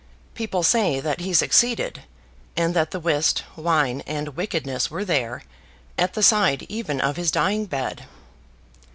People say that he succeeded, and that the whist, wine, and wickedness were there, at the side even of his dying bed.